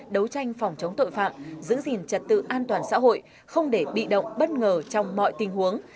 đấu tranh phòng chống tội phạm giữ gìn trật tự an toàn xã hội không để bị động bất ngờ trong mọi tình huống